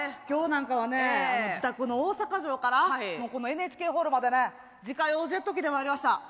今日なんかはね自宅の大阪城からこのＮＨＫホールまでね自家用ジェット機で参りました。